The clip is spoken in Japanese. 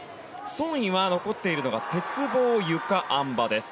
ソン・イは残っているのが鉄棒、ゆか、あん馬です。